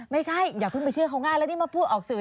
อย่าเพิ่งไปเชื่อเขาง่ายแล้วนี่มาพูดออกสื่อ